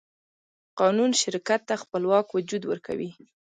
قانون شرکت ته خپلواک وجود ورکوي.